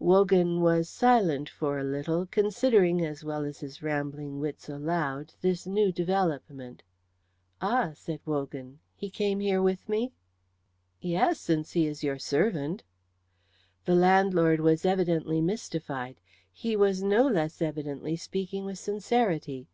Wogan was silent for a little, considering as well as his rambling wits allowed this new development. "Ah!" said Wogan, "he came here with me?" "Yes, since he is your servant." The landlord was evidently mystified; he was no less evidently speaking with sincerity.